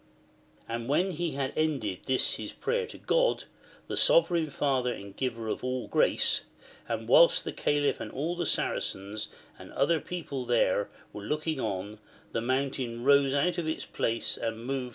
And when he had ended this his prayer to God the Sovereign Father and Giver of all grace, and whilst the Calif and all the Saracens, and other people there, were looking on, the mountain rose out of its place and moved Chap.